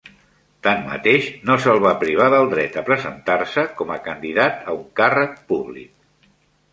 Tanmateix, no se'l va privar del dret a presentar-se com a candidat a un càrrec públic.